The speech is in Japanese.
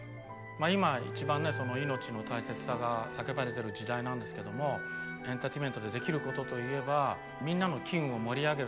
今いちばんねいのちの大切さが叫ばれてる時代なんですけどもエンターテインメントでできることといえばみんなの機運を盛り上げる。